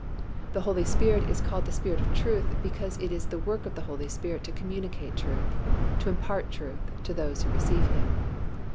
The Holy Spirit is called the Spirit of truth because it is the work of the Holy Spirit to communicate truth, to impart truth, to those who receive Him.